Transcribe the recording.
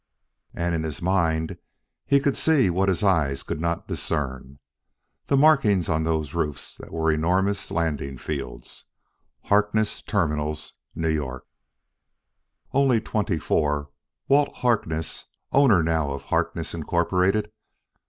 And in his mind he could see what his eyes could not discern the markings on those roofs that were enormous landing fields: Harkness Terminals, New York. Only twenty four, Walt Harkness owner now of Harkness, Incorporated.